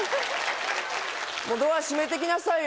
ドア閉めていきなさいよ